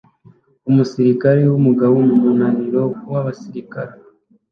Umusirikare wumugabo mumunaniro wabasirikare